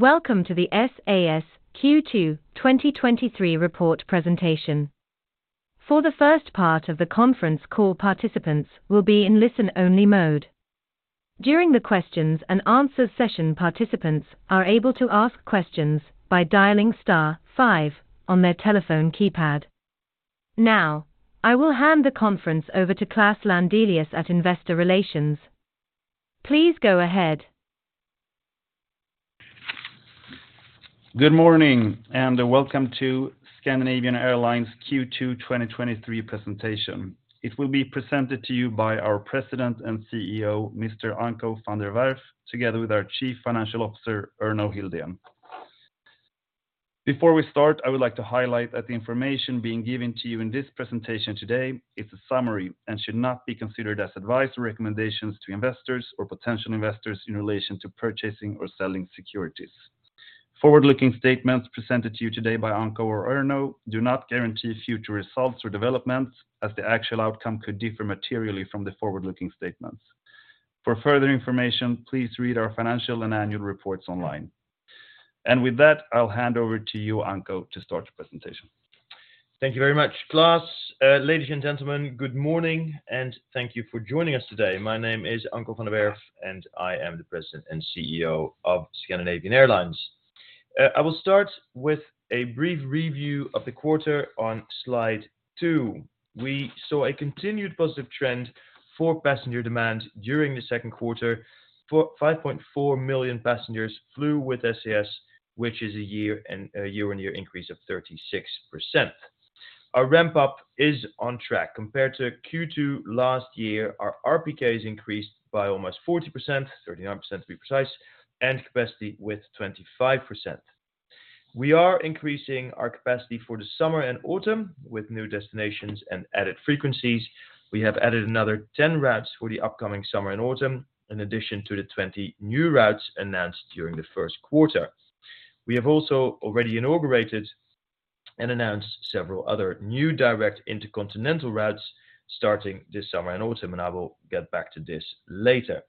Welcome to the SAS Q2 2023 report presentation. For the first part of the conference call, participants will be in listen-only mode. During the questions and answers session, participants are able to ask questions by dialing star five on their telephone keypad. I will hand the conference over to Klaus Landelius at Investor Relations. Please go ahead. Good morning, welcome to Scandinavian Airlines' Q2 2023 presentation. It will be presented to you by our President and CEO, Mr. Anko van der Werff, together with our Chief Financial Officer, Erno Hildén. Before we start, I would like to highlight that the information being given to you in this presentation today is a summary, and should not be considered as advice or recommendations to investors or potential investors in relation to purchasing or selling securities. Forward-looking statements presented to you today by Anko or Erno do not guarantee future results or developments, as the actual outcome could differ materially from the forward-looking statements. For further information, please read our financial and annual reports online. With that, I'll hand over to you, Anko, to start the presentation. Thank you very much, Klaus Landelius. Ladies and gentlemen, good morning, and thank you for joining us today. My name is Anko van der Werff, and I am the President and CEO of Scandinavian Airlines. I will start with a brief review of the quarter on slide two. We saw a continued positive trend for passenger demand during the second quarter. 5.4 million passengers flew with SAS, which is a year-on-year increase of 36%. Our ramp-up is on track. Compared to Q2 last year, our RPKS increased by almost 40%, 39% to be precise, and capacity with 25%. We are increasing our capacity for the summer and autumn with new destinations and added frequencies. We have added another 10 routes for the upcoming summer and autumn, in addition to the 20 new routes announced during the first quarter. We have also already inaugurated and announced several other new direct intercontinental routes starting this summer and autumn. I will get back to this later.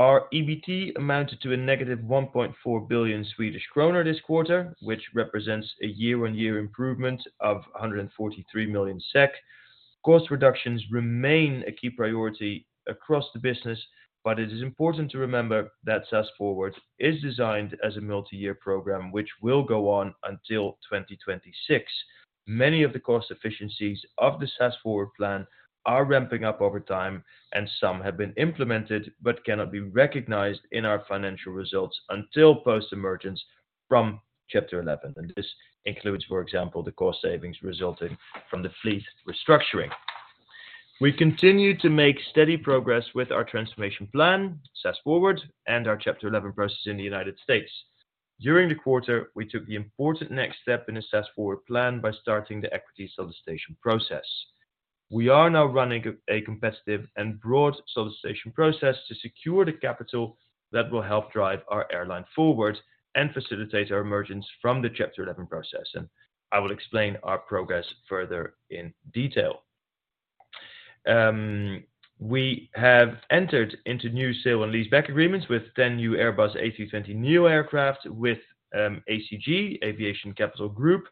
Our EBT amounted to a negative 1.4 billion Swedish kronor this quarter, which represents a year-on-year improvement of 143 million SEK. Cost reductions remain a key priority across the business. It is important to remember that SAS FORWARD is designed as a multi-year program, which will go on until 2026. Many of the cost efficiencies of the SAS FORWARD plan are ramping up over time. Some have been implemented, but cannot be recognized in our financial results until post-emergence from Chapter 11. This includes, for example, the cost savings resulting from the fleet restructuring. We continue to make steady progress with our transformation plan, SAS FORWARD, and our Chapter 11 process in the United States. During the quarter, we took the important next step in the SAS FORWARD plan by starting the equity solicitation process. We are now running a competitive and broad solicitation process to secure the capital that will help drive our airline forward and facilitate our emergence from the Chapter 11 process, and I will explain our progress further in detail. We have entered into new sale and leaseback agreements with 10 new Airbus A320neo aircraft with ACG, Aviation Capital Group,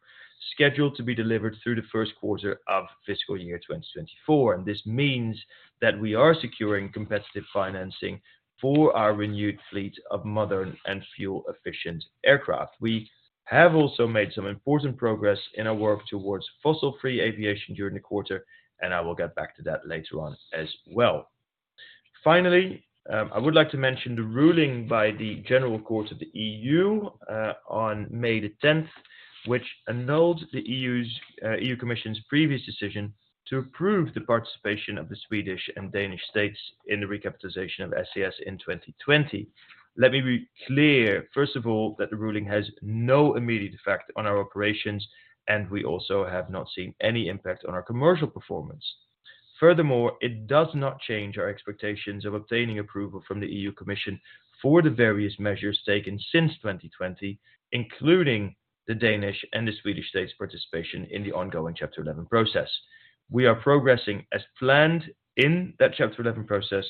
scheduled to be delivered through the first quarter of fiscal year 2024. This means that we are securing competitive financing for our renewed fleet of modern and fuel-efficient aircraft. We have also made some important progress in our work towards fossil-free aviation during the quarter, and I will get back to that later on as well. I would like to mention the ruling by the General Court of the EU on May the 10th, which annulled the EU's EU Commission's previous decision to approve the participation of the Swedish and Danish states in the recapitalization of SAS in 2020. Let me be clear, first of all, that the ruling has no immediate effect on our operations, and we also have not seen any impact on our commercial performance. Furthermore, it does not change our expectations of obtaining approval from the EU Commission for the various measures taken since 2020, including the Danish and the Swedish state's participation in the ongoing Chapter 11 process. We are progressing as planned in that Chapter 11 process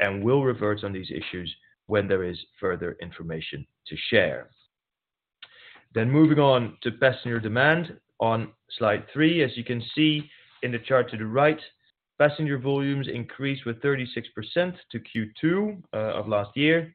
and will revert on these issues when there is further information to share. Moving on to passenger demand on slide three. As you can see in the chart to the right, passenger volumes increased with 36% to Q2 of last year.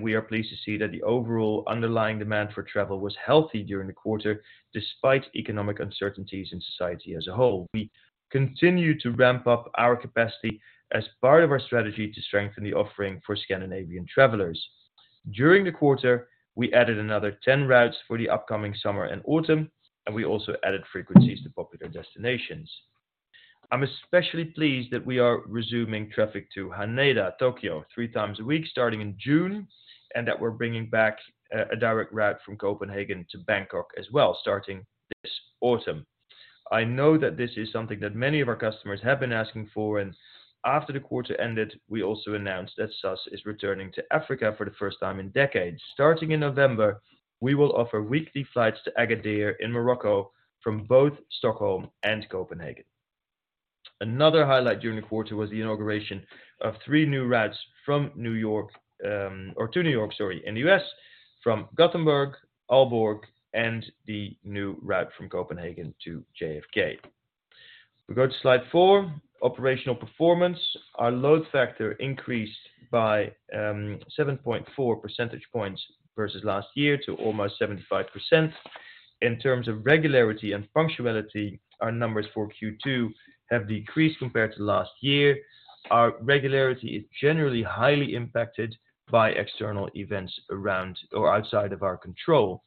We are pleased to see that the overall underlying demand for travel was healthy during the quarter, despite economic uncertainties in society as a whole. We continue to ramp up our capacity as part of our strategy to strengthen the offering for Scandinavian travelers. During the quarter, we added another 10 routes for the upcoming summer and autumn. We also added frequencies to popular destinations. I'm especially pleased that we are resuming traffic to Haneda, Tokyo, three times a week, starting in June. That we're bringing back a direct route from Copenhagen to Bangkok as well, starting this autumn. I know that this is something that many of our customers have been asking for, and after the quarter ended, we also announced that SAS is returning to Africa for the first time in decades. Starting in November, we will offer weekly flights to Agadir in Morocco from both Stockholm and Copenhagen. Another highlight during the quarter was the inauguration of three new routes from New York, or to New York, sorry, in the U.S., from Gothenburg, Aalborg, and the new route from Copenhagen to JFK. We go to slide four, operational performance. Our load factor increased by 7.4 percentage points versus last year to almost 75%. In terms of regularity and punctuality, our numbers for Q2 have decreased compared to last year. Our regularity is generally highly impacted by external events around or outside of our control.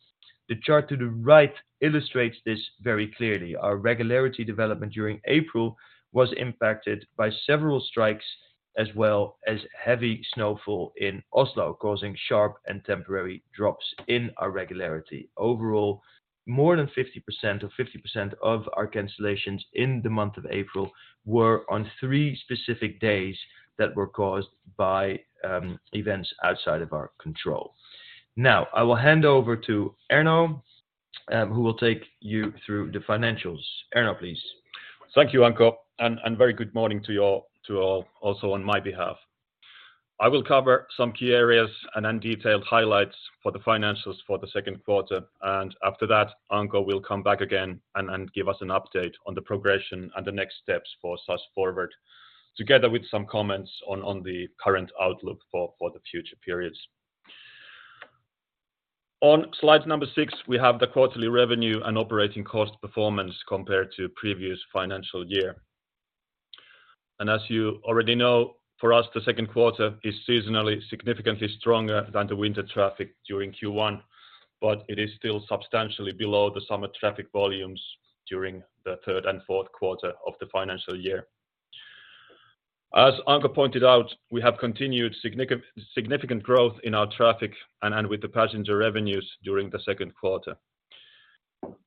The chart to the right illustrates this very clearly. Our regularity development during April was impacted by several strikes, as well as heavy snowfall in Oslo, causing sharp and temporary drops in our regularity. Overall, more than 50%, or 50% of our cancellations in the month of April were on three specific days that were caused by events outside of our control. Now, I will hand over to Erno, who will take you through the financials. Erno, please. Thank you, Anko, and very good morning to you all, also on my behalf. I will cover some key areas and then detailed highlights for the financials for the second quarter, and after that, Anko will come back again and give us an update on the progression and the next steps for SAS FORWARD, together with some comments on the current outlook for the future periods. On slide number six, we have the quarterly revenue and operating cost performance compared to previous financial year. As you already know, for us, the second quarter is seasonally significantly stronger than the winter traffic during Q1, but it is still substantially below the summer traffic volumes during the third and fourth quarter of the financial year. As Anko pointed out, we have continued significant growth in our traffic and with the passenger revenues during the second quarter.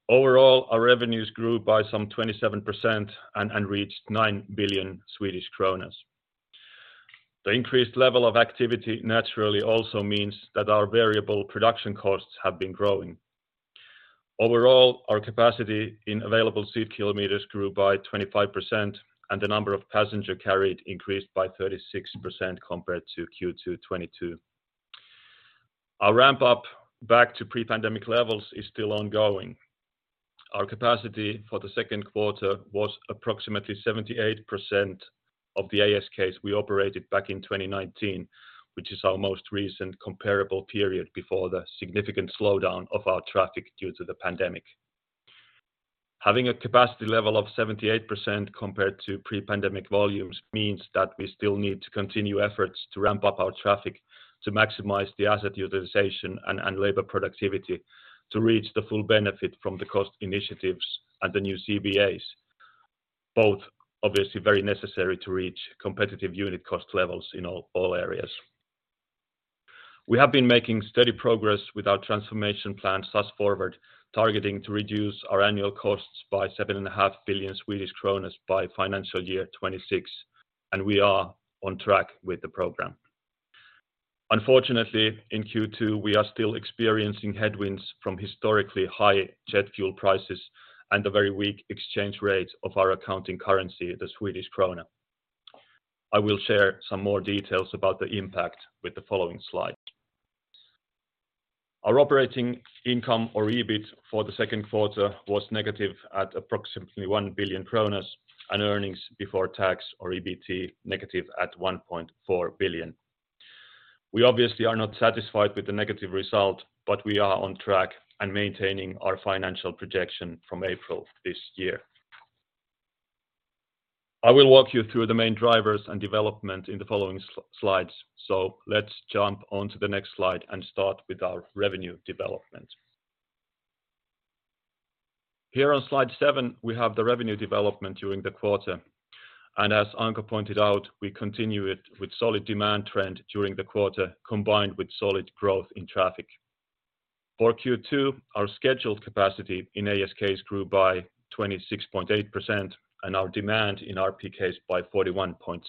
Overall, our revenues grew by some 27% and reached 9 billion Swedish kronor. The increased level of activity naturally also means that our variable production costs have been growing. Overall, our capacity in available seat kilometers grew by 25%, and the number of passenger carried increased by 36% compared to Q2 2022. Our ramp up back to pre-pandemic levels is still ongoing. Our capacity for the second quarter was approximately 78% of the ASK we operated back in 2019, which is our most recent comparable period before the significant slowdown of our traffic due to the pandemic. Having a capacity level of 78% compared to pre-pandemic volumes means that we still need to continue efforts to ramp up our traffic to maximize the asset utilization and labor productivity to reach the full benefit from the cost initiatives and the new CBAs, both obviously very necessary to reach competitive unit cost levels in all areas. We have been making steady progress with our transformation plan, SAS FORWARD, targeting to reduce our annual costs by 7.5 billion Swedish kronor by financial year 2026. We are on track with the program. Unfortunately, in Q2, we are still experiencing headwinds from historically high jet fuel prices and the very weak exchange rate of our accounting currency, the Swedish krona. I will share some more details about the impact with the following slide. Our operating income, or EBIT, for the second quarter was negative at approximately 1 billion kronor, and earnings before tax, or EBT, negative at 1.4 billion. We obviously are not satisfied with the negative result, but we are on track and maintaining our financial projection from April this year. I will walk you through the main drivers and development in the following slides. Let's jump on to the next slide and start with our revenue development. Here on slide seven, we have the revenue development during the quarter, and as Anko pointed out, we continued with solid demand trend during the quarter, combined with solid growth in traffic. For Q2, our scheduled capacity in ASK grew by 26.8%, and our demand in RPKS by 41.6%.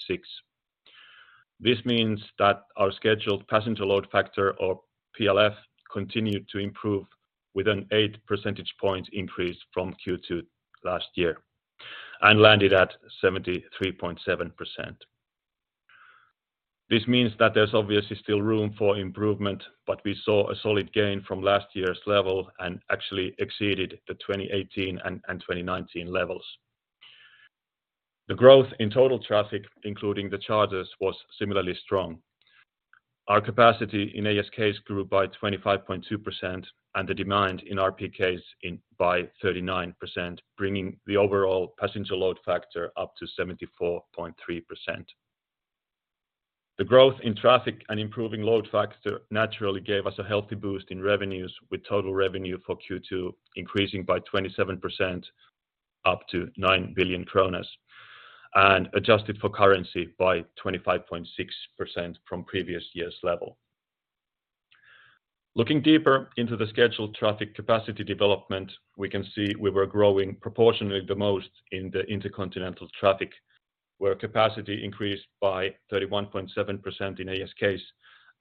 This means that our scheduled passenger load factor, or PLF, continued to improve with an 8 percentage points increase from Q2 last year and landed at 73.7%. This means that there's obviously still room for improvement, but we saw a solid gain from last year's level and actually exceeded the 2018 and 2019 levels. The growth in total traffic, including the charters, was similarly strong. Our capacity in ASK grew by 25.2%, and the demand in RPKS in by 39%, bringing the overall passenger load factor up to 74.3%. The growth in traffic and improving load factor naturally gave us a healthy boost in revenues, with total revenue for Q2 increasing by 27%, up to 9 billion kronor, and adjusted for currency by 25.6% from previous year's level. Looking deeper into the scheduled traffic capacity development, we can see we were growing proportionately the most in the intercontinental traffic, where capacity increased by 31.7% in ASK,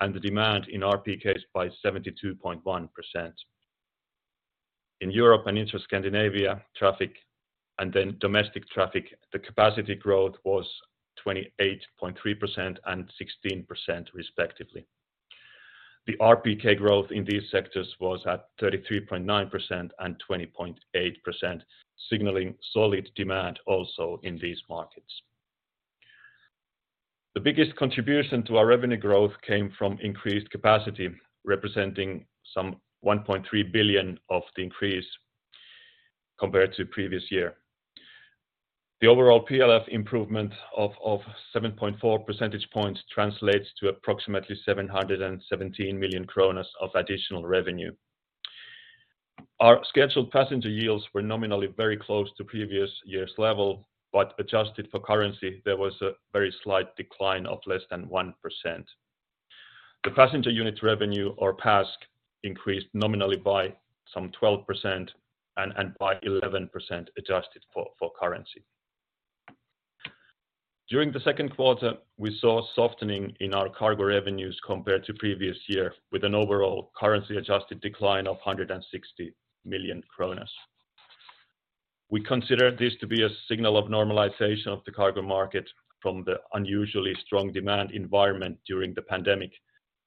and the demand in RPKS by 72.1%. In Europe and Intra-Scandinavian traffic and then domestic traffic, the capacity growth was 28.3% and 16% respectively. The RPK growth in these sectors was at 33.9% and 20.8%, signaling solid demand also in these markets. The biggest contribution to our revenue growth came from increased capacity, representing some 1.3 billion of the increase compared to previous year. The overall PLF improvement of 7.4 percentage points translates to approximately 717 million kronor of additional revenue. Our scheduled passenger yields were nominally very close to previous year's level, but adjusted for currency, there was a very slight decline of less than 1%. The passenger unit revenue or PASK, increased nominally by some 12% and by 11% adjusted for currency. During the second quarter, we saw a softening in our cargo revenues compared to previous year, with an overall currency adjusted decline of 160 million kronor. We consider this to be a signal of normalization of the cargo market from the unusually strong demand environment during the pandemic,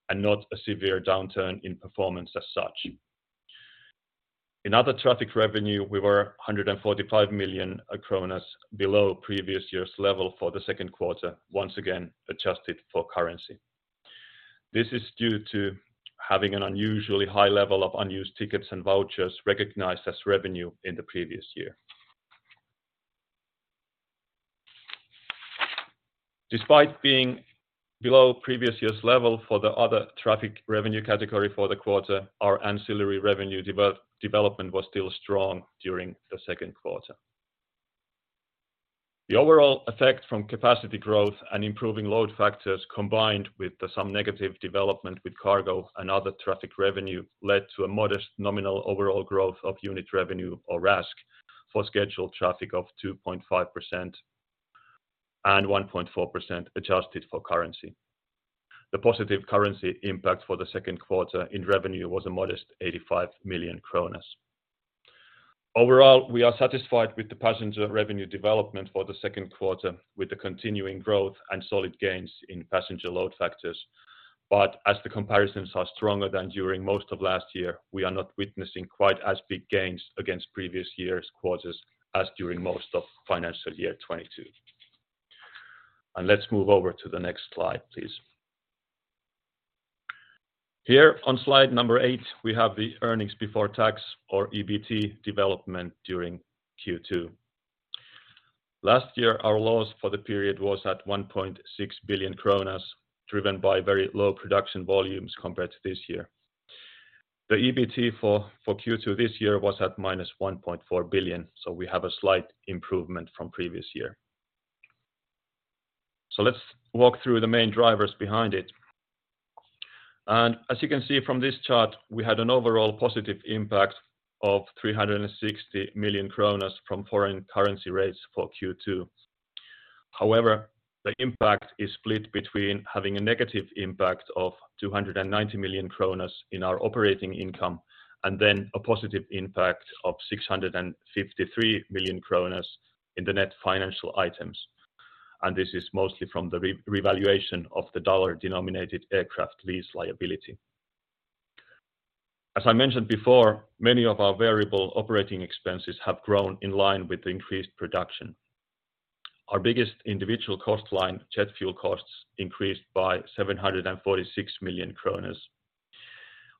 and not a severe downturn in performance as such. In other traffic revenue, we were 145 million kronor below previous year's level for the second quarter, once again, adjusted for currency. This is due to having an unusually high level of unused tickets and vouchers recognized as revenue in the previous year. Despite being below previous year's level for the other traffic revenue category for the quarter, our ancillary revenue development was still strong during the second quarter. The overall effect from capacity growth and improving load factors, combined with some negative development with cargo and other traffic revenue, led to a modest nominal overall growth of unit revenue or RASK, for scheduled traffic of 2.5% and 1.4% adjusted for currency. The positive currency impact for the second quarter in revenue was a modest 85 million kronor. Overall, we are satisfied with the passenger revenue development for the second quarter, with the continuing growth and solid gains in passenger load factors. As the comparisons are stronger than during most of last year, we are not witnessing quite as big gains against previous year's quarters as during most of financial year 2022. Let's move over to the next slide, please. Here on slide eight, we have the earnings before tax or EBT development during Q2. Last year, our loss for the period was at 1.6 billion kronor, driven by very low production volumes compared to this year. The EBT for Q2 this year was at -1.4 billion, so we have a slight improvement from previous year. Let's walk through the main drivers behind it. As you can see from this chart, we had an overall positive impact of 360 million kronor from foreign currency rates for Q2. However, the impact is split between having a negative impact of 290 million kronor in our operating income, and then a positive impact of 653 million kronor in the net financial items. This is mostly from the revaluation of the dollar-denominated aircraft lease liability. As I mentioned before, many of our variable operating expenses have grown in line with the increased production. Our biggest individual cost line, jet fuel costs, increased by 746 million kronor,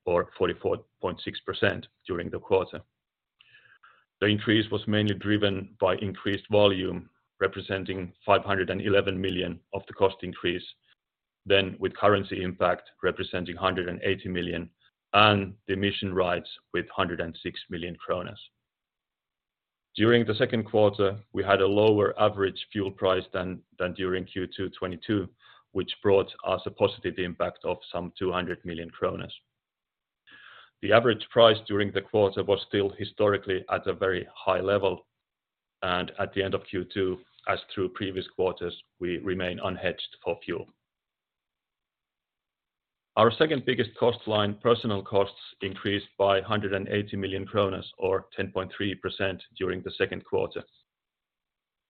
or 44.6% during the quarter. The increase was mainly driven by increased volume, representing 511 million of the cost increase, then with currency impact representing 180 million, and the emission rights with 106 million kronor. During the second quarter, we had a lower average fuel price than during Q2 2022, which brought us a positive impact of some 200 million kronor. The average price during the quarter was still historically at a very high level, at the end of Q2, as through previous quarters, we remain unhedged for fuel. Our second biggest cost line, personnel costs, increased by 180 million kronor or 10.3% during the second quarter.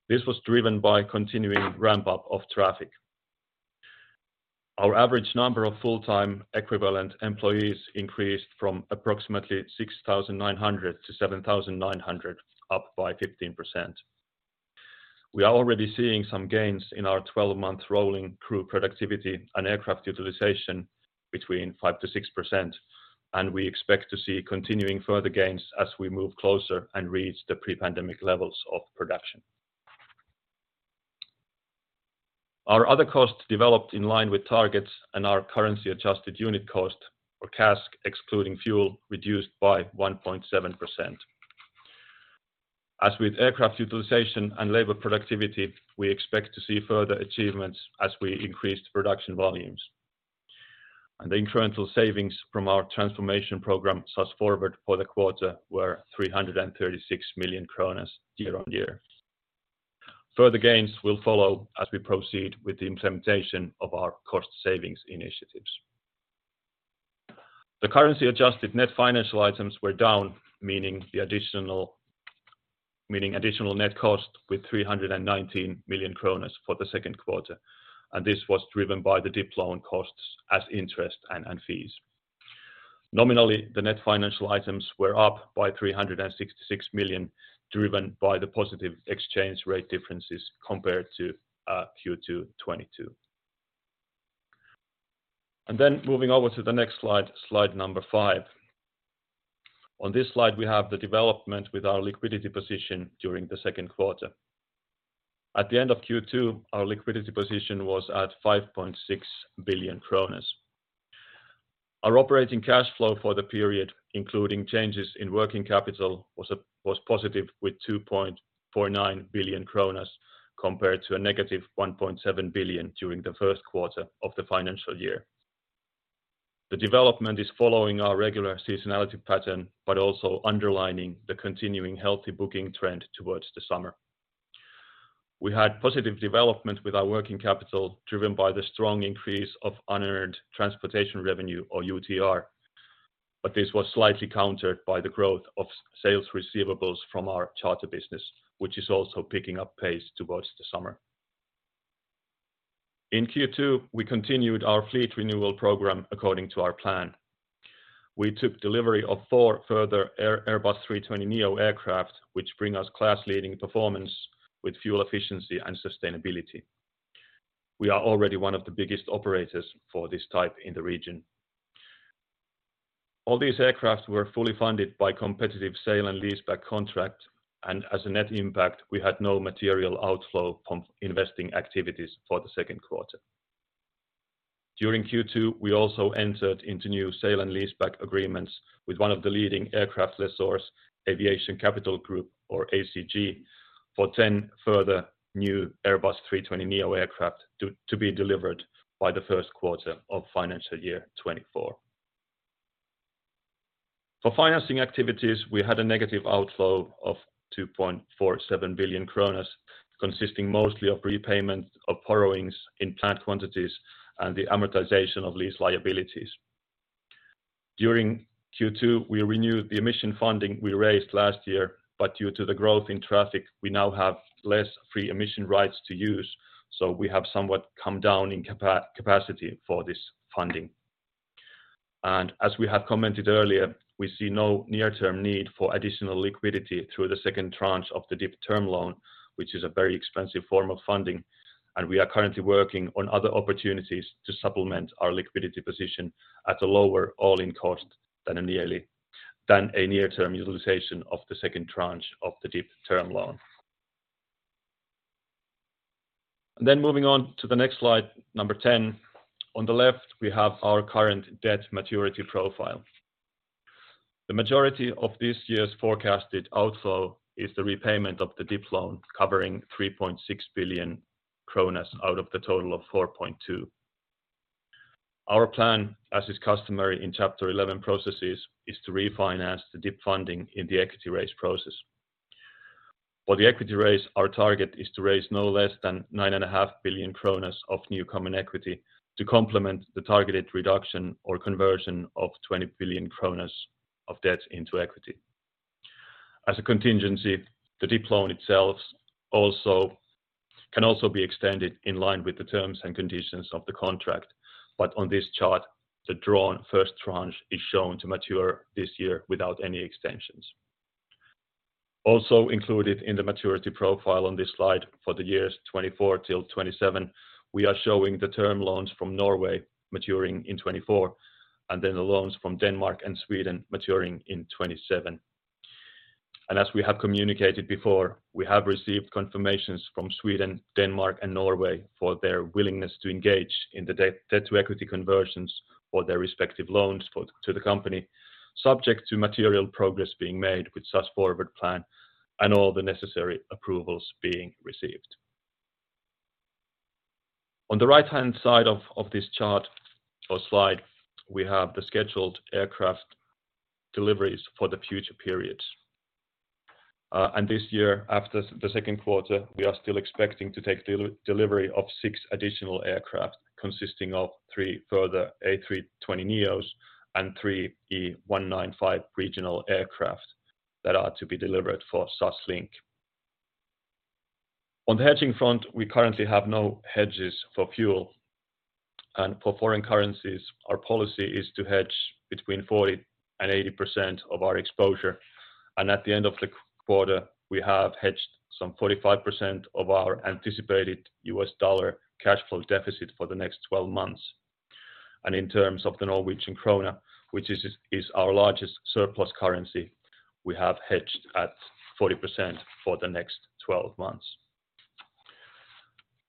This was driven by continuing ramp up of traffic. Our average number of full-time equivalent employees increased from approximately 6,900 to 7,900, up by 15%. We are already seeing some gains in our 12-month rolling crew productivity and aircraft utilization between 5%-6%, and we expect to see continuing further gains as we move closer and reach the pre-pandemic levels of production. Our other costs developed in line with targets and our currency-adjusted unit cost, or CASK, excluding fuel, reduced by 1.7%. As with aircraft utilization and labor productivity, we expect to see further achievements as we increase the production volumes. The incremental savings from our transformation program thus forward for the quarter were 336 million kronor year-on-year. Further gains will follow as we proceed with the implementation of our cost savings initiatives. The currency-adjusted net financial items were down, meaning additional net cost with 319 million kronor for the second quarter. This was driven by the DIP loan costs as interest and fees. Nominally, the net financial items were up by 366 million, driven by the positive exchange rate differences compared to Q2 2022. Moving over to the next slide, slide five. On this slide, we have the development with our liquidity position during the second quarter. At the end of Q2, our liquidity position was at 5.6 billion kronor. Our operating cash flow for the period, including changes in working capital, was positive with 2.49 billion kronor, compared to a negative 1.7 billion during the first quarter of the financial year. The development is following our regular seasonality pattern, also underlining the continuing healthy booking trend towards the summer. We had positive development with our working capital, driven by the strong increase of unearned transportation revenue or UTR, this was slightly countered by the growth of sales receivables from our charter business, which is also picking up pace towards the summer. In Q2, we continued our fleet renewal program according to our plan. We took delivery of 4 further Airbus A320neo aircraft, which bring us class-leading performance with fuel efficiency and sustainability. We are already 1 of the biggest operators for this type in the region. All these aircraft were fully funded by competitive sale and leaseback contract, as a net impact, we had no material outflow from investing activities for the second quarter. During Q2, we also entered into new sale and leaseback agreements with one of the leading aircraft lessors, Aviation Capital Group, or ACG, for 10 further new Airbus A320neo aircraft to be delivered by the first quarter of financial year 2024. For financing activities, we had a negative outflow of 2.47 billion kronor, consisting mostly of prepayment of borrowings in planned quantities and the amortization of lease liabilities. During Q2, we renewed the emission funding we raised last year, but due to the growth in traffic, we now have less free emission rights to use, so we have somewhat come down in capacity for this funding. As we have commented earlier, we see no near-term need for additional liquidity through the second tranche of the DIP term loan, which is a very expensive form of funding, and we are currently working on other opportunities to supplement our liquidity position at a lower all-in cost than a near-term utilization of the second tranche of the DIP term loan. Then moving on to the next slide, number 10. On the left, we have our current debt maturity profile. The majority of this year's forecasted outflow is the repayment of the DIP loan, covering 3.6 billion kronor out of the total of 4.2 billion. Our plan, as is customary in Chapter 11 processes, is to refinance the DIP funding in the equity raise process. For the equity raise, our target is to raise no less than 9.5 billion kronor of new common equity to complement the targeted reduction or conversion of 20 billion kronor of debt into equity. As a contingency, the DIP loan itself can also be extended in line with the terms and conditions of the contract, on this chart, the drawn first tranche is shown to mature this year without any extensions. Included in the maturity profile on this slide for the years 2024-2027, we are showing the term loans from Norway maturing in 2024, and then the loans from Denmark and Sweden maturing in 2027. As we have communicated before, we have received confirmations from Sweden, Denmark, and Norway for their willingness to engage in the debt-to-equity conversions for their respective loans to the company, subject to material progress being made with such forward plan and all the necessary approvals being received. On the right-hand side of this chart or slide, we have the scheduled aircraft deliveries for the future periods. This year, after the second quarter, we are still expecting to take delivery of six additional aircraft, consisting of three further A320neos and three E195 regional aircraft that are to be delivered for SAS Link. On the hedging front, we currently have no hedges for fuel and for foreign currencies. Our policy is to hedge between 40% and 80% of our exposure. At the end of the quarter, we have hedged some 45% of our anticipated US dollar cash flow deficit for the next 12 months. In terms of the Norwegian krona, which is our largest surplus currency, we have hedged at 40% for the next 12 months.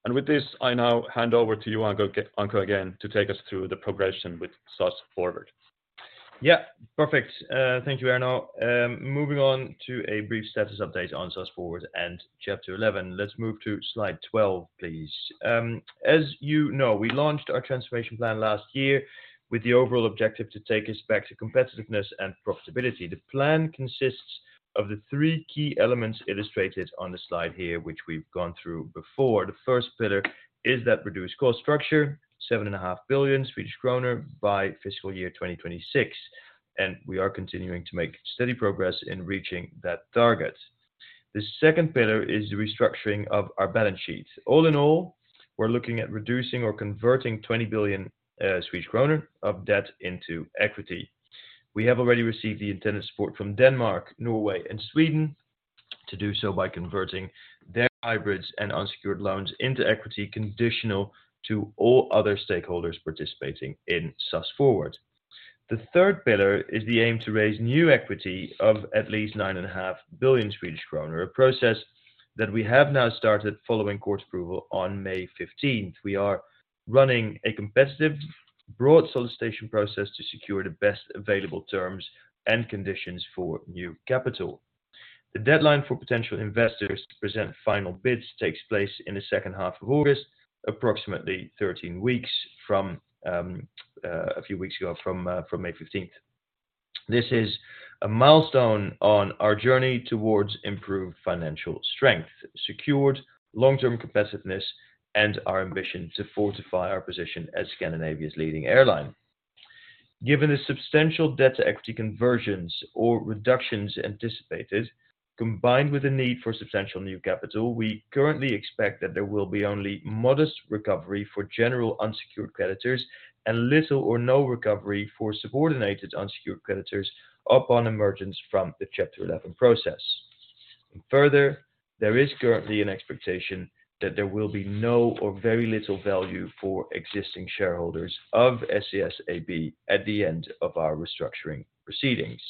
With this, I now hand over to you, Anko again, to take us through the progression with SAS FORWARD. Yeah, perfect. Thank you, Erno. Moving on to a brief status update on SAS FORWARD and Chapter 11. Let's move to slide 12, please. As you know, we launched our transformation plan last year with the overall objective to take us back to competitiveness and profitability. The plan consists of the three key elements illustrated on the slide here, which we've gone through before. The first pillar is that reduced cost structure, 7.5 billion Swedish kronor by fiscal year 2026. We are continuing to make steady progress in reaching that target. The second pillar is the restructuring of our balance sheet. All in all, we're looking at reducing or converting 20 billion Swedish kronor of debt into equity. We have already received the intended support from Denmark, Norway, and Sweden to do so by converting their hybrids and unsecured loans into equity, conditional to all other stakeholders participating in SAS FORWARD. The third pillar is the aim to raise new equity of at least 9.5 billion Swedish kronor, a process that we have now started following court approval on May 15th. We are running a competitive, broad solicitation process to secure the best available terms and conditions for new capital. The deadline for potential investors to present final bids takes place in the second half of August, approximately 13 weeks from a few weeks ago from May 15th. This is a milestone on our journey towards improved financial strength, secured long-term competitiveness, and our ambition to fortify our position as Scandinavia's leading airline. Given the substantial debt-to-equity conversions or reductions anticipated, combined with the need for substantial new capital, we currently expect that there will be only modest recovery for general unsecured creditors and little or no recovery for subordinated unsecured creditors upon emergence from the Chapter 11 process. Further, there is currently an expectation that there will be no or very little value for existing shareholders of SAS AB at the end of our restructuring proceedings.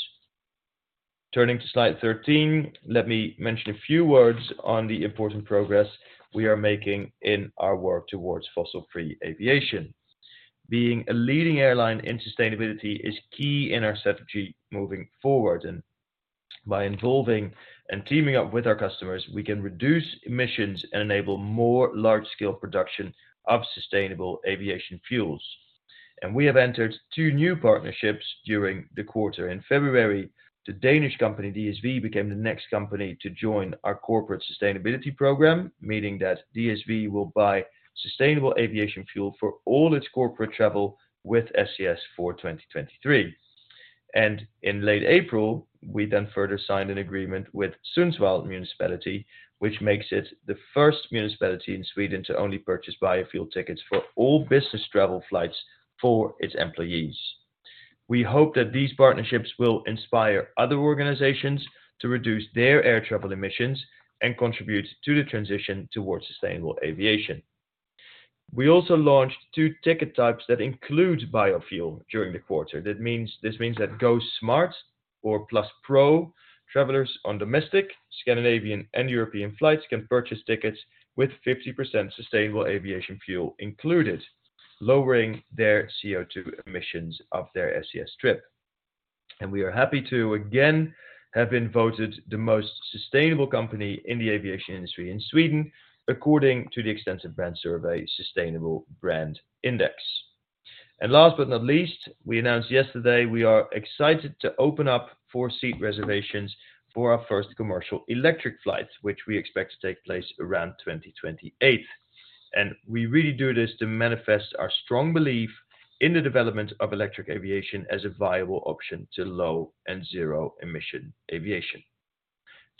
Turning to slide 13, let me mention a few words on the important progress we are making in our work towards fossil-free aviation. Being a leading airline in sustainability is key in our strategy moving forward, by involving and teaming up with our customers, we can reduce emissions and enable more large-scale production of sustainable aviation fuels. We have entered two new partnerships during the quarter. In February, the Danish company, DSV, became the next company to join our corporate sustainability program, meaning that DSV will buy sustainable aviation fuel for all its corporate travel with SAS for 2023. In late April, we then further signed an agreement with Sundsvall Municipality, which makes it the first municipality in Sweden to only purchase biofuel tickets for all business travel flights for its employees. We hope that these partnerships will inspire other organizations to reduce their air travel emissions and contribute to the transition towards sustainable aviation. We also launched two ticket types that include biofuel during the quarter. This means that Go Smart or Plus Pro travelers on domestic, Scandinavian, and European flights can purchase tickets with 50% sustainable aviation fuel included, lowering their CO2 emissions of their SAS trip. We are happy to again have been voted the most sustainable company in the aviation industry in Sweden, according to the extensive brand survey, Sustainable Brand Index. Last but not least, we announced yesterday, we are excited to open up four seat reservations for our first commercial electric flight, which we expect to take place around 2028. We really do this to manifest our strong belief in the development of electric aviation as a viable option to low and zero-emission aviation.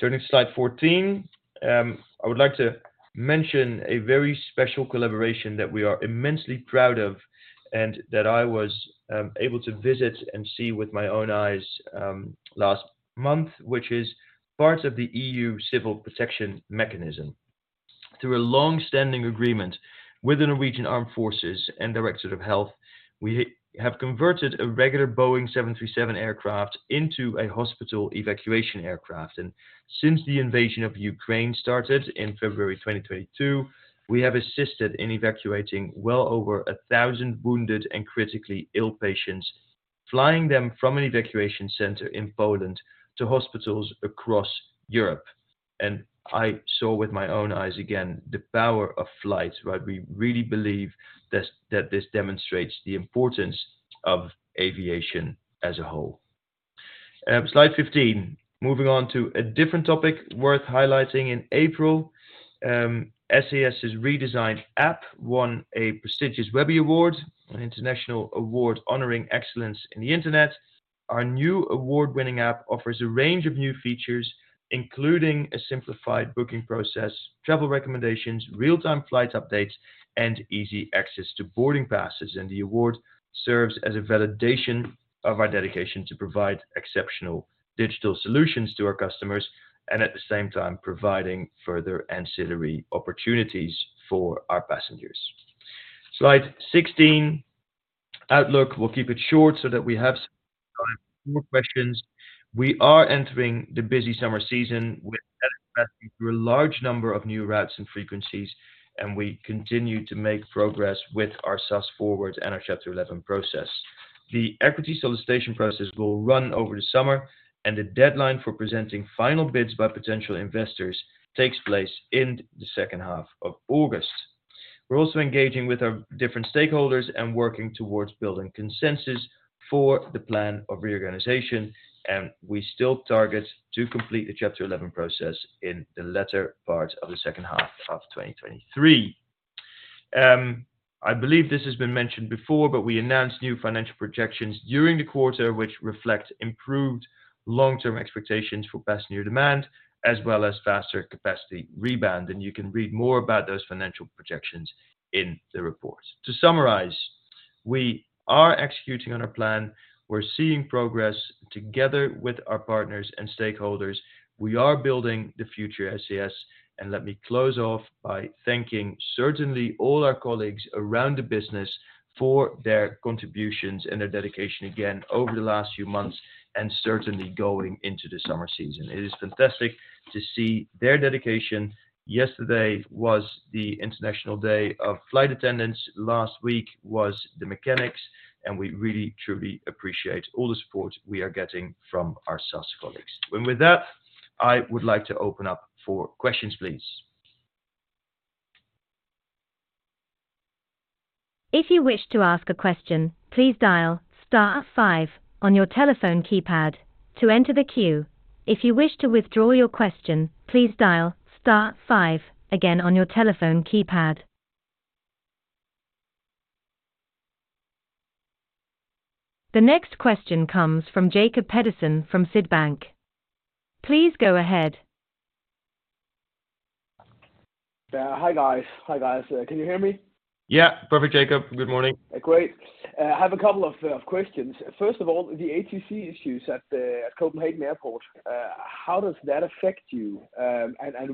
Turning to slide 14, I would like to mention a very special collaboration that we are immensely proud of and that I was able to visit and see with my own eyes last month, which is part of the EU Civil Protection Mechanism. Through a long-standing agreement with the Norwegian Armed Forces and Norwegian Directorate of Health, we have converted a regular Boeing 737 aircraft into a hospital evacuation aircraft. Since the invasion of Ukraine started in February 2022, we have assisted in evacuating well over 1,000 wounded and critically ill patients, flying them from an evacuation center in Poland to hospitals across Europe. I saw with my own eyes again, the power of flight, right? We really believe that this demonstrates the importance of aviation as a whole. Slide 15, moving on to a different topic worth highlighting. In April, SAS's redesigned app won a prestigious Webby Award, an international award honoring excellence in the internet. Our new award-winning app offers a range of new features, including a simplified booking process, travel recommendations, real-time flight updates, and easy access to boarding passes. The award serves as a validation of our dedication to provide exceptional digital solutions to our customers and, at the same time, providing further ancillary opportunities for our passengers. Slide 16, outlook. We'll keep it short so that we have some time for more questions. We are entering the busy summer season with a large number of new routes and frequencies, and we continue to make progress with our SAS FORWARD and our Chapter 11 process. The equity solicitation process will run over the summer, and the deadline for presenting final bids by potential investors takes place in the second half of August. We're also engaging with our different stakeholders and working towards building consensus for the plan of reorganization, and we still target to complete the Chapter 11 process in the latter part of the second half of 2023. I believe this has been mentioned before, but we announced new financial projections during the quarter, which reflect improved long-term expectations for passenger demand, as well as faster capacity rebound. You can read more about those financial projections in the report. To summarize, we are executing on our plan. We're seeing progress together with our partners and stakeholders. We are building the future SAS. Let me close off by thanking certainly all our colleagues around the business for their contributions and their dedication again, over the last few months, and certainly going into the summer season. It is fantastic to see their dedication. Yesterday was the International Day of Flight Attendants, last week was the Mechanics, and we really, truly appreciate all the support we are getting from our SAS colleagues. With that, I would like to open up for questions, please. If you wish to ask a question, please dial star five on your telephone keypad to enter the queue. If you wish to withdraw your question, please dial star five again on your telephone keypad. The next question comes from Jacob Pedersen from Sydbank. Please go ahead. Yeah. Hi, guys. Can you hear me? Perfect, Jacob. Good morning. Great. I have a couple of questions. First of all, the ATC issues at the Copenhagen Airport, how does that affect you?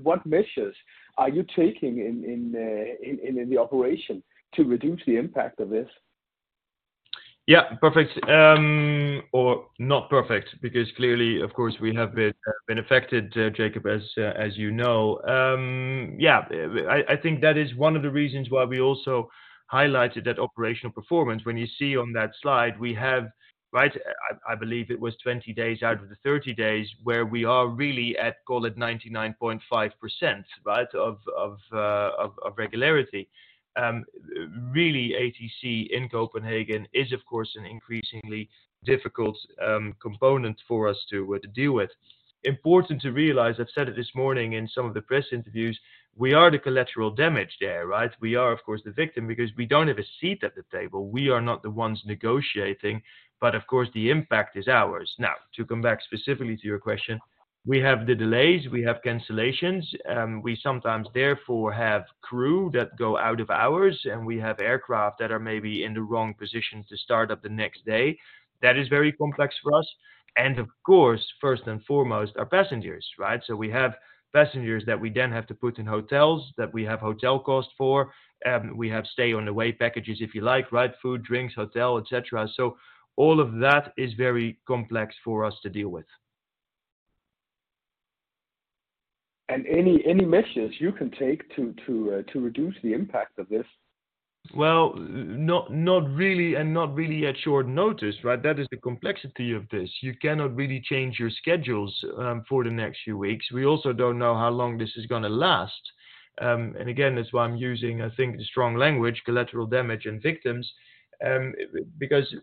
What measures are you taking in the operation to reduce the impact of this? Yeah, perfect, or not perfect, because clearly, of course, we have been affected, Jacob, as you know. Yeah, I think that is one of the reasons why we also highlighted that operational performance. When you see on that slide, we have, right, I believe it was 20 days out of the 30 days, where we are really at, call it 99.5%, right, of regularity. Really, ATC in Copenhagen is, of course, an increasingly difficult component for us to deal with. Important to realize, I've said it this morning in some of the press interviews, we are the collateral damage there, right? We are, of course, the victim because we don't have a seat at the table. We are not the ones negotiating, but of course, the impact is ours. To come back specifically to your question, we have the delays, we have cancellations, we sometimes therefore have crew that go out of hours, and we have aircraft that are maybe in the wrong positions to start up the next day. That is very complex for us, and of course, first and foremost, our passengers, right? We have passengers that we then have to put in hotels, that we have hotel costs for, we have stay on the way packages, if you like, right? Food, drinks, hotel, et cetera. All of that is very complex for us to deal with. Any measures you can take to reduce the impact of this? Not really at short notice, right? That is the complexity of this. You cannot really change your schedules for the next few weeks. We also don't know how long this is going to last. Again, that's why I'm using, I think, strong language, collateral damage and victims, because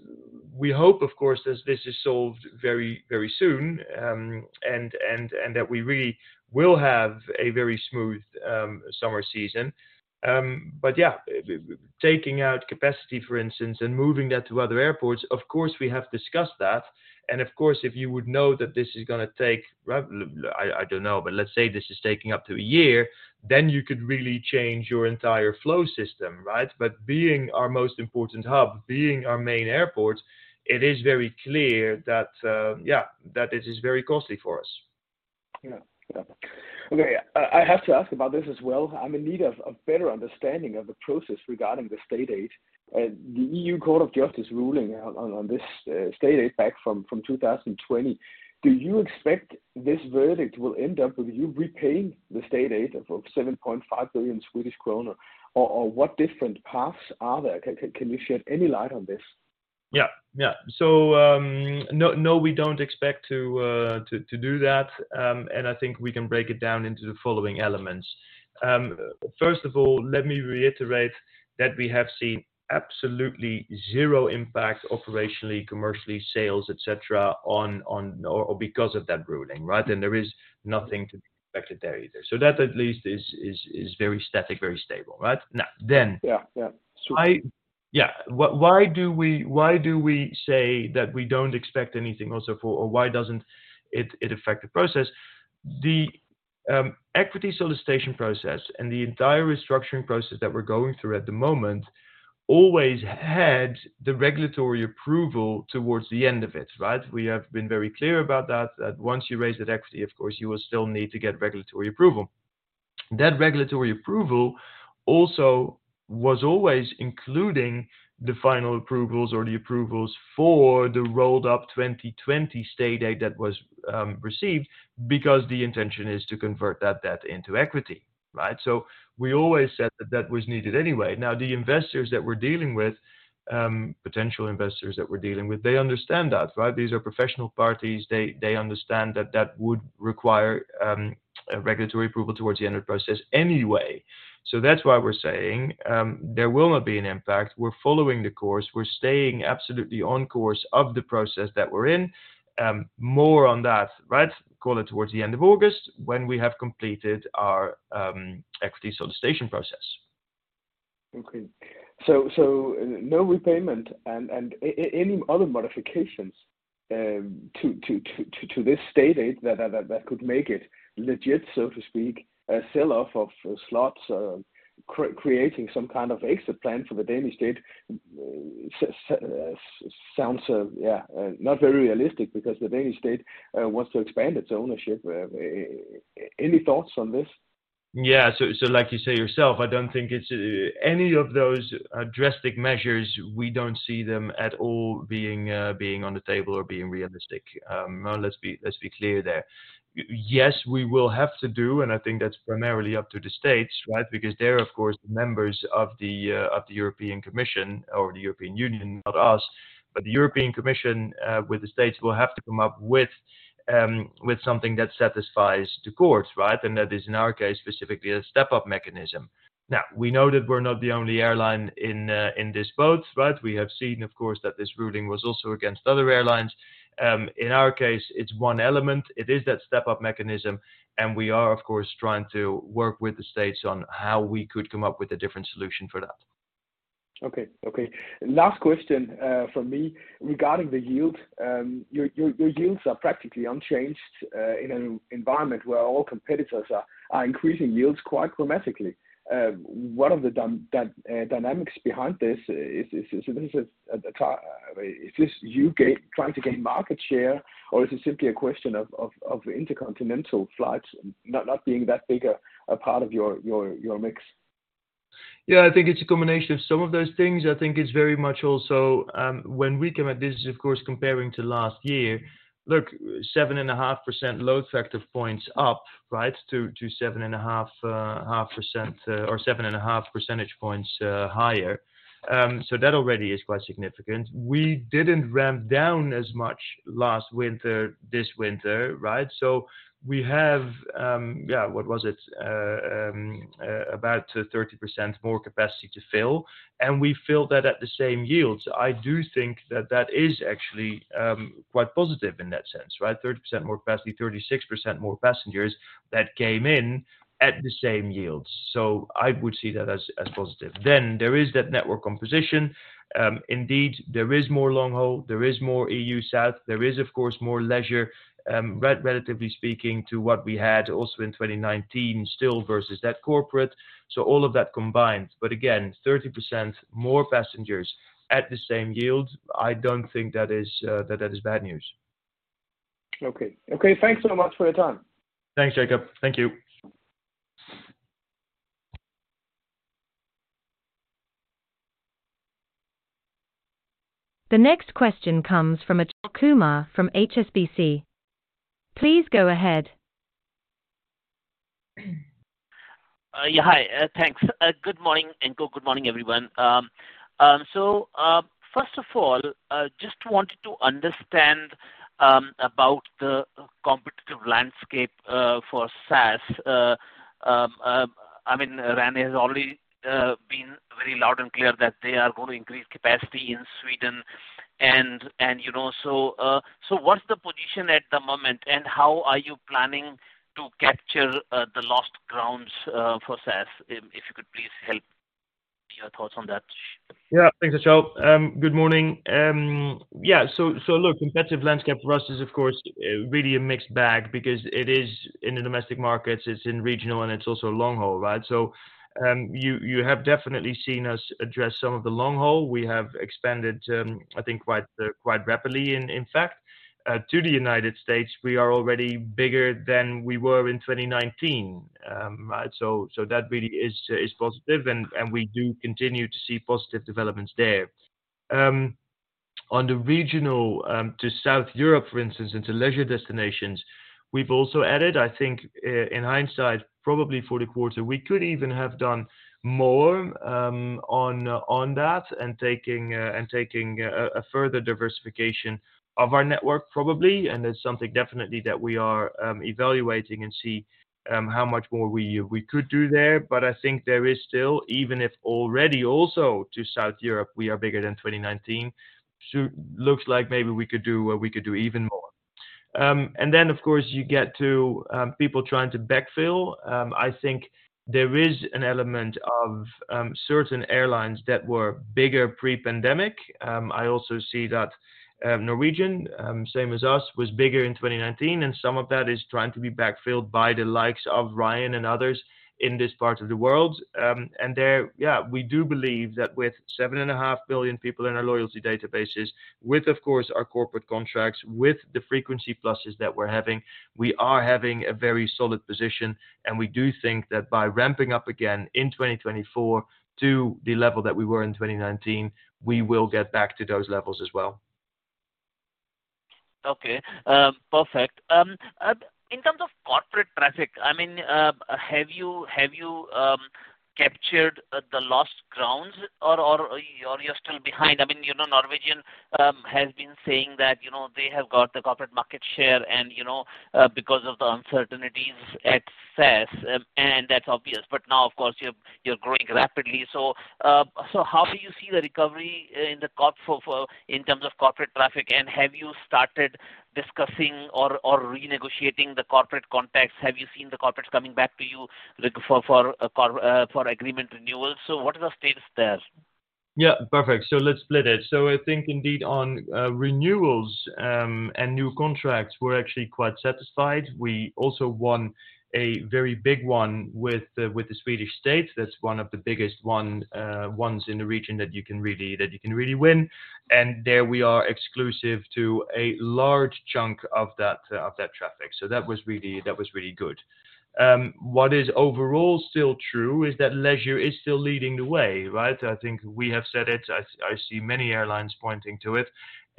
we hope, of course, that this is solved very, very soon, and that we really will have a very smooth summer season. Yeah, taking out capacity, for instance, and moving that to other airports, of course, we have discussed that. Of course, if you would know that this is going to take, right, I don't know, but let's say this is taking up to 1 year, then you could really change your entire flow system, right? Being our most important hub, being our main airport, it is very clear that, yeah, that it is very costly for us. Yeah. Yeah. Okay, I have to ask about this as well. I'm in need of a better understanding of the process regarding the state aid. The EU Court of Justice ruling on this state aid back from 2020, do you expect this verdict will end up with you repaying the state aid of 7.5 billion Swedish kronor? Or what different paths are there? Can you shed any light on this? Yeah. No, we don't expect to do that, and I think we can break it down into the following elements. First of all, let me reiterate that we have seen absolutely zero impact operationally, commercially, sales, et cetera, on or because of that ruling, right? There is nothing to be expected there either. That at least is very static, very stable, right? Yeah. Yeah. Yeah, why do we say that we don't expect anything also for or why doesn't it affect the process? The equity solicitation process and the entire restructuring process that we're going through at the moment always had the regulatory approval towards the end of it, right? We have been very clear about that once you raise that equity, of course, you will still need to get regulatory approval. That regulatory approval also was always including the final approvals or the approvals for the rolled-up 2020 state aid that was received because the intention is to convert that debt into equity, right? We always said that that was needed anyway. The investors that we're dealing with, potential investors that we're dealing with, they understand that, right? These are professional parties. They understand that that would require. A regulatory approval towards the end of process anyway. That's why we're saying, there will not be an impact. We're following the course. We're staying absolutely on course of the process that we're in. More on that, right? Call it towards the end of August, when we have completed our equity solicitation process. Okay. No repayment and any other modifications to this state aid that could make it legit, so to speak, a sell-off of slots, creating some kind of exit plan for the Danish state, so sounds yeah, not very realistic because the Danish state wants to expand its ownership. Any thoughts on this? Yeah. Like you say yourself, I don't think it's any of those drastic measures, we don't see them at all being on the table or being realistic. Let's be clear there. Yes, we will have to do, and I think that's primarily up to the states, right? Because they're, of course, members of the European Commission or the European Union, not us. The European Commission, with the states will have to come up with something that satisfies the courts, right? And that is, in our case, specifically a step-up mechanism. We know that we're not the only airline in this boat, right? We have seen, of course, that this ruling was also against other airlines. In our case, it's one element. It is that step-up mechanism, and we are, of course, trying to work with the states on how we could come up with a different solution for that. Okay, okay. Last question from me. Regarding the yield, your yields are practically unchanged in an environment where all competitors are increasing yields quite dramatically. What are the dynamics behind this? Is this a, is this you gain, trying to gain market share, or is it simply a question of intercontinental flights not being that big a part of your mix? Yeah, I think it's a combination of some of those things. I think it's very much also, when we come at this, is, of course, comparing to last year. Look, 7.5% load factor points up, right? To 7.5 percentage points higher. That already is quite significant. We didn't ramp down as much last winter, this winter, right? We have, yeah, what was it? About 30% more capacity to fill, and we filled that at the same yields. I do think that that is actually quite positive in that sense, right? 30% more capacity, 36% more passengers that came in at the same yields. I would see that as positive. There is that network composition. Indeed, there is more long haul, there is more EU South, there is, of course, more leisure, relatively speaking, to what we had also in 2019 still versus that corporate. All of that combined. Again, 30% more passengers at the same yield, I don't think that is bad news. Okay. Okay, thanks so much for your time. Thanks, Jacob. Thank you. The next question comes from Achal Kumar from HSBC. Please go ahead. Yeah, hi, thanks. Good morning, good morning, everyone. First of all, just wanted to understand about the competitive landscape for SAS. I mean, Ryanair has already been very loud and clear that they are going to increase capacity in Sweden, and, you know, what's the position at the moment, and how are you planning to capture the lost grounds for SAS? If you could please help your thoughts on that. Thanks, Achal. Good morning. Look, competitive landscape for us is, of course, really a mixed bag because it is in the domestic markets, it's in regional, and it's also long haul, right? You have definitely seen us address some of the long haul. We have expanded, I think, quite rapidly in fact, to the United States, we are already bigger than we were in 2019. That really is positive, and we do continue to see positive developments there. On the regional, to South Europe, for instance, into leisure destinations, we've also added, I think, in hindsight, probably for the quarter, we could even have done more on that and taking a further diversification of our network, probably. That's something definitely that we are evaluating and see how much more we could do there. I think there is still, even if already also to South Europe, we are bigger than 2019. Looks like maybe we could do even more. Then, of course, you get to people trying to backfill. I think there is an element of certain airlines that were bigger pre-pandemic. I also see that Norwegian, same as us, was bigger in 2019, and some of that is trying to be backfilled by the likes of Ryanair and others in this part of the world. There, yeah, we do believe that with 7.5 billion people in our loyalty databases, with, of course, our corporate contracts, with the frequency pluses that we're having, we are having a very solid position. We do think that by ramping up again in 2024 to the level that we were in 2019, we will get back to those levels as well. Okay, perfect. In terms of corporate traffic, I mean, have you captured the lost grounds or you're still behind? I mean, you know, Norwegian has been saying that, you know, they have got the corporate market share and, you know, because of the uncertainties at SAS, and that's obvious. Now, of course, you're growing rapidly. How do you see the recovery in the corp in terms of corporate traffic? Have you started discussing or renegotiating the corporate contracts? Have you seen the corporates coming back to you look for agreement renewals? What is the status there? Yeah, perfect. Let's split it. I think indeed on renewals and new contracts, we're actually quite satisfied. We also won a very big one with the Swedish state. That's one of the biggest ones in the region that you can really win, and there we are exclusive to a large chunk of that traffic. That was really good. What is overall still true is that leisure is still leading the way, right? I think we have said it, I see many airlines pointing to it,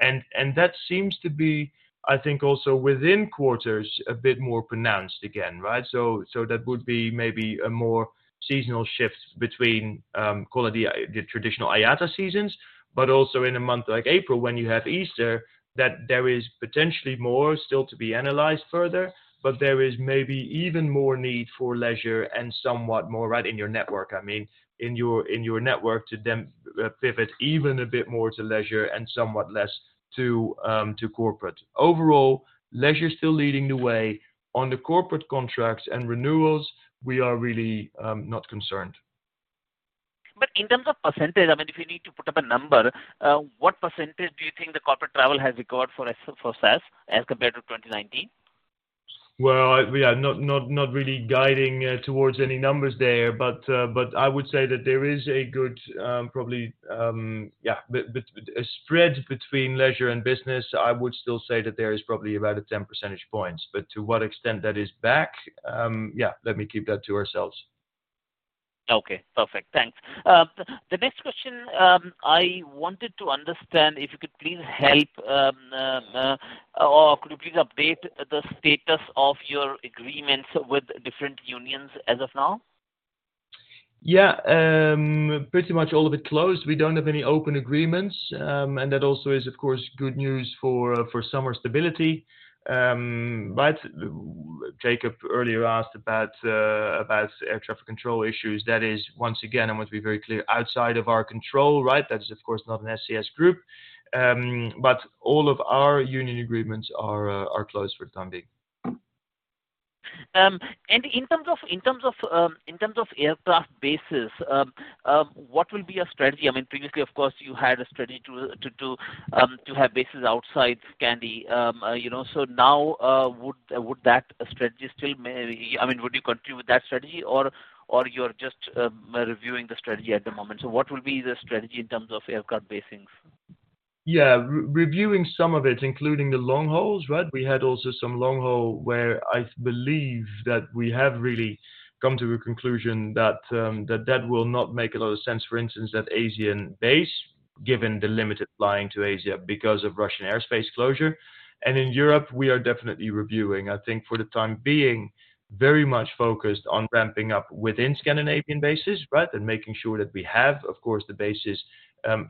and that seems to be, I think also within quarters, a bit more pronounced again, right? That would be maybe a more seasonal shift between call it the i... the traditional IATA seasons, but also in a month like April, when you have Easter, that there is potentially more still to be analyzed further, but there is maybe even more need for leisure and somewhat more, right, in your network, I mean, in your network to then pivot even a bit more to leisure and somewhat less to corporate. Overall, leisure is still leading the way. On the corporate contracts and renewals, we are really not concerned. In terms of percentage, I mean, if you need to put up a number, what percentage do you think the corporate travel has recovered for SAS as compared to 2019? Well, we are not really guiding towards any numbers there. I would say that there is a good, probably, yeah, a spread between leisure and business. I would still say that there is probably about a 10 percentage points. To what extent that is back, yeah, let me keep that to ourselves. Okay, perfect. Thanks. the next question, I wanted to understand if you could please help, or could you please update the status of your agreements with different unions as of now? Yeah, pretty much all of it closed. We don't have any open agreements, that also is, of course, good news for summer stability. Jacob earlier asked about air traffic control issues. That is, once again, I want to be very clear, outside of our control, right? That is, of course, not an SAS Group. All of our union agreements are closed for the time being. In terms of aircraft bases, what will be your strategy? I mean, previously, of course, you had a strategy to have bases outside Scandy. You know, so now, would that strategy still? I mean, would you continue with that strategy or you're just reviewing the strategy at the moment? What will be the strategy in terms of aircraft basings? Re- reviewing some of it, including the long hauls, right. We had also some long haul where I believe that we have really come to a conclusion that that will not make a lot of sense. For instance, that Asian base, given the limited flying to Asia because of Russian airspace closure. In Europe, we are definitely reviewing. I think for the time being, very much focused on ramping up within Scandinavian bases, right, and making sure that we have, of course, the bases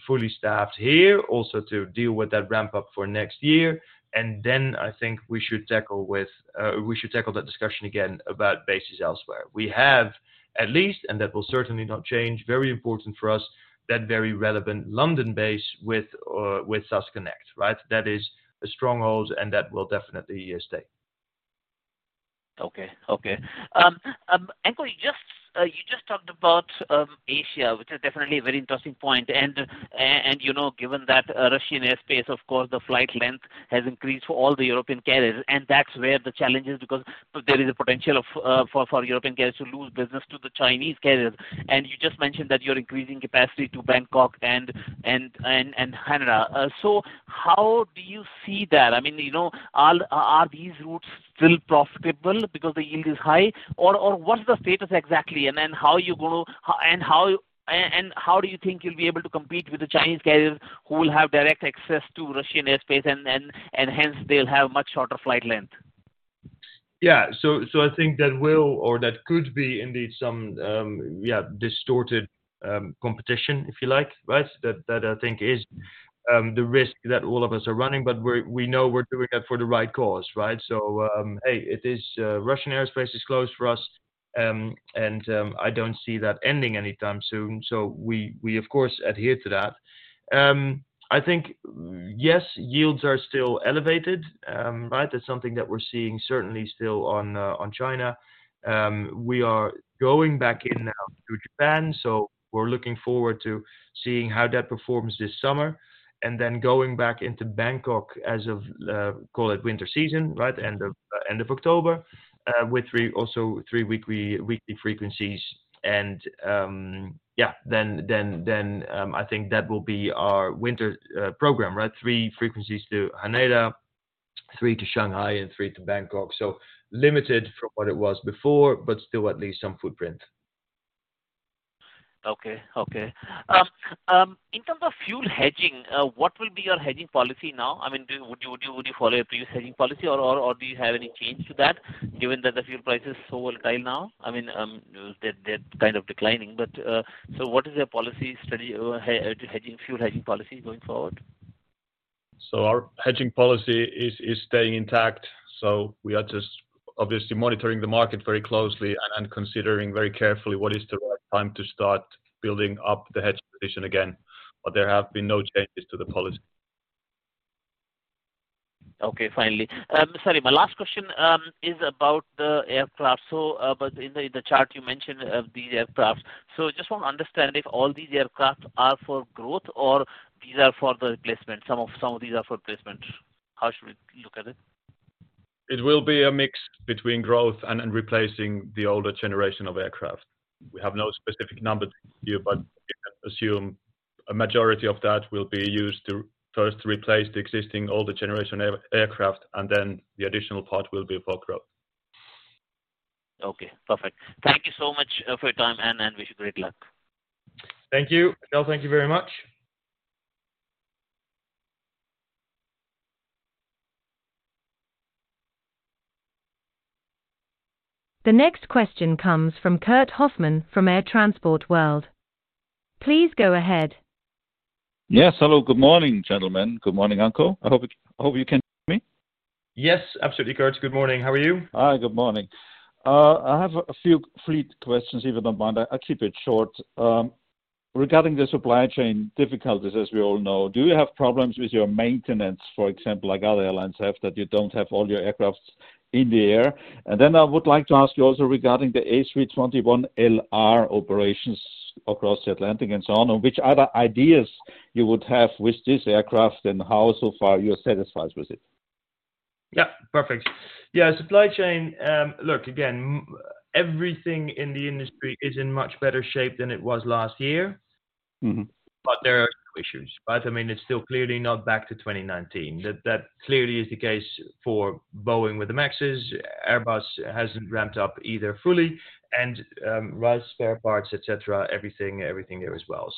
fully staffed here, also to deal with that ramp-up for next year. Then I think we should tackle that discussion again about bases elsewhere. We have at least, and that will certainly not change, very important for us, that very relevant London base with SAS Connect, right. That is a stronghold, and that will definitely, stay. Okay, okay. Actually just, you just talked about Asia, which is definitely a very interesting point, you know, given that Russian airspace, of course, the flight length has increased for all the European carriers, and that's where the challenge is because there is a potential for European carriers to lose business to the Chinese carriers. You just mentioned that you're increasing capacity to Bangkok and Haneda. How do you see that? I mean, you know, are these routes still profitable because the yield is high? Or what's the status exactly, and then how are you going to... How do you think you'll be able to compete with the Chinese carriers who will have direct access to Russian airspace, and hence they'll have much shorter flight length? Yeah. I think that will, or that could be indeed some, yeah, distorted competition, if you like, right? That I think is the risk that all of us are running, but we know we're doing it for the right cause, right? Hey, it is Russian airspace is closed for us, and I don't see that ending anytime soon, so we, of course, adhere to that. Yes, yields are still elevated, right? That's something that we're seeing certainly still on China. We are going back in now to Japan, so we're looking forward to seeing how that performs this summer, and then going back into Bangkok as of call it winter season, right, end of October, with three, also three weekly frequencies. Yeah, then, I think that will be our winter program, right? Three frequencies to Haneda, three to Shanghai, and three to Bangkok. Limited from what it was before, but still at least some footprint. Okay. In terms of fuel hedging, what will be your hedging policy now? I mean, would you follow a previous hedging policy or do you have any change to that, given that the fuel price is so volatile now? I mean, they're kind of declining, but what is your policy study or hedging, fuel hedging policy going forward? Our hedging policy is staying intact, we are just obviously monitoring the market very closely and considering very carefully what is the right time to start building up the hedge position again. There have been no changes to the policy. Finally. Sorry, my last question is about the aircraft. In the chart, you mentioned these aircrafts. Just want to understand if all these aircraft are for growth or these are for the replacement, some of these are for replacement. How should we look at it? It will be a mix between growth and replacing the older generation of aircraft. We have no specific numbers to give, but you can assume a majority of that will be used to first replace the existing older generation aircraft, then the additional part will be for growth. Okay, perfect. Thank you so much for your time, and wish you great luck. Thank you. Achal Kumar, thank you very much. The next question comes from Kurt Hofmann from Air Transport World. Please go ahead. Yes, hello. Good morning, gentlemen. Good morning, Anko. I hope you can hear me? Yes, absolutely, Kurt. Good morning. How are you? Hi, good morning. I have a few fleet questions, if you don't mind. I'll keep it short. Regarding the supply chain difficulties, as we all know, do you have problems with your maintenance, for example, like other airlines have, that you don't have all your aircraft in the air? I would like to ask you also regarding the A321LR operations across the Atlantic and so on, which other ideas you would have with this aircraft and how so far you're satisfied with it? Yeah, perfect. Yeah, supply chain. Look, again, everything in the industry is in much better shape than it was last year. There are issues, but, I mean, it's still clearly not back to 2019. That clearly is the case for Boeing with the MAXes. Airbus hasn't ramped up either fully, and, right, spare parts, et cetera, everything there as well.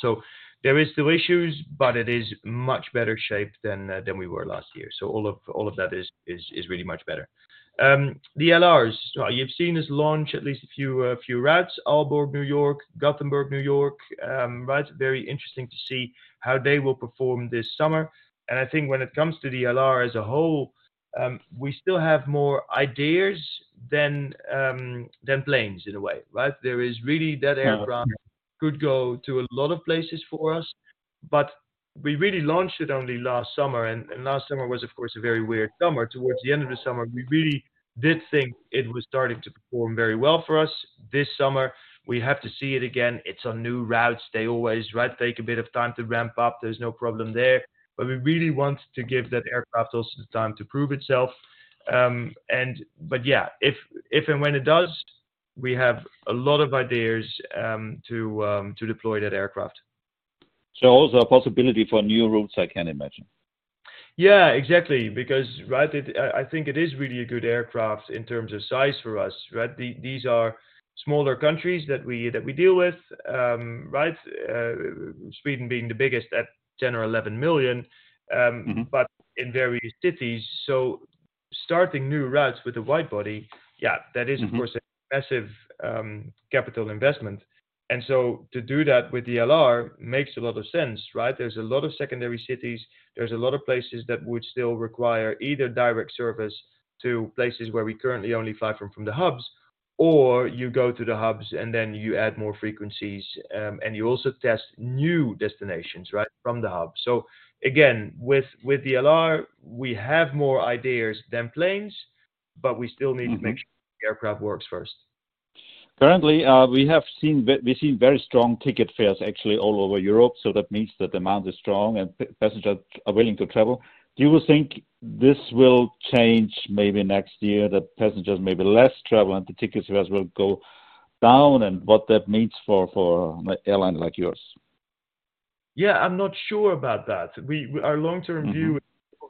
There is still issues, but it is much better shape than we were last year. All of that is really much better. The LRs, you've seen us launch at least a few routes, Aalborg, New York, Gothenburg, New York, right? Very interesting to see how they will perform this summer, and I think when it comes to the LR as a whole, we still have more ideas than planes in a way, right? There is really that could go to a lot of places for us, but we really launched it only last summer, and last summer was, of course, a very weird summer. Towards the end of the summer, we really did think it was starting to perform very well for us. This summer, we have to see it again. It's on new routes. They always, right, take a bit of time to ramp up. There's no problem there, but we really want to give that aircraft also the time to prove itself. Yeah, if and when it does, we have a lot of ideas to deploy that aircraft. Also a possibility for new routes, I can imagine? Yeah, exactly. Right, I think it is really a good aircraft in terms of size for us, right? These are smaller countries that we deal with, right? Sweden being the biggest at 10 or 11 million but in various cities. Starting new routes with the wide body, of course, a massive, capital investment, and so to do that with the LR makes a lot of sense, right? There's a lot of secondary cities, there's a lot of places that would still require either direct service to places where we currently only fly from the hubs, or you go to the hubs, and then you add more frequencies, and you also test new destinations, right, from the hub. Again, with the LR, we have more ideas than planes, but we still need to make sure the aircraft works first. Currently, we've seen very strong tickets fares actually all over Europe. That means that demand is strong and passengers are willing to travel. Do you think this will change maybe next year, that passengers may be less travel and the tickets fares will go down, and what that means for an airline like yours? Yeah, I'm not sure about that. our long-term view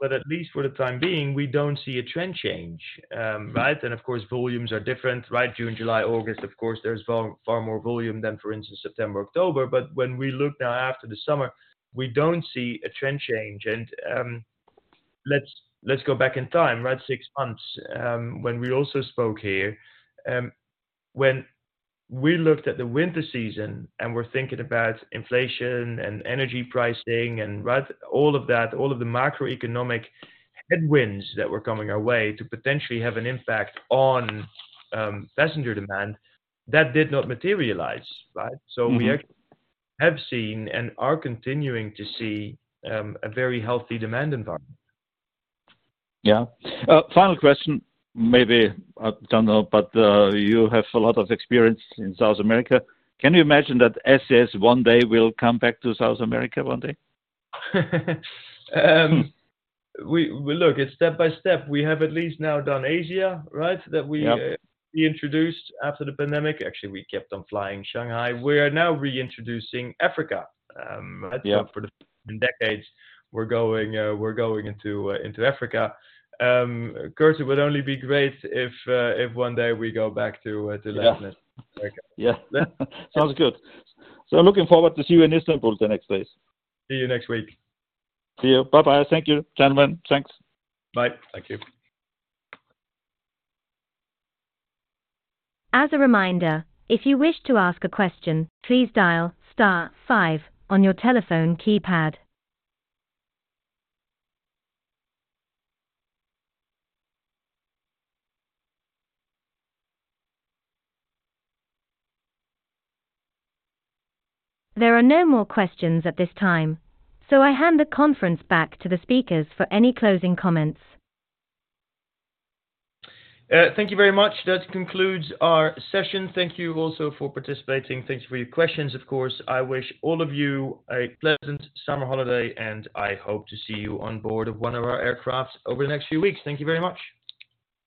at least for the time being, we don't see a trend change, right? Of course, volumes are different, right? June, July, August, of course, there's far, far more volume than, for instance, September, October. When we look now after the summer, we don't see a trend change. Let's go back in time, right? Six months, when we also spoke here, when we looked at the winter season, and we're thinking about inflation and energy pricing and, right, all of that, all of the macroeconomic headwinds that were coming our way to potentially have an impact on passenger demand, that did not materialize, right? We actually have seen and are continuing to see, a very healthy demand environment. Final question, maybe, I don't know, but you have a lot of experience in South America. Can you imagine that SAS one day will come back to South America one day? Well, look, it's step by step. We have at least now done Asia, right? Yep. We reintroduced after the pandemic. Actually, we kept on flying Shanghai. We are now reintroducing Africa. Yeah For the first time in decades, we're going into Africa. Of course, it would only be great if one day we go back to Latin America. Yeah. Sounds good. Looking forward to see you in Istanbul the next days. See you next week. See you. Bye-bye. Thank you, gentlemen. Thanks. Bye. Thank you. As a reminder, if you wish to ask a question, please dial star five on your telephone keypad. There are no more questions at this time, so I hand the conference back to the speakers for any closing comments. Thank you very much. That concludes our session. Thank you also for participating. Thanks for your questions, of course. I wish all of you a pleasant summer holiday. I hope to see you on board of one of our aircraft over the next few weeks. Thank you very much.